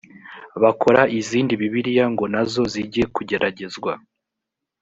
bakora izindi bibiliya ngo na zo zijye kugeragezwa